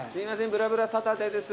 『ぶらぶらサタデー』です。